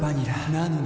なのに．．．